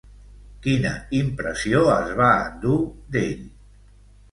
Quina impressió es va endur d'ell?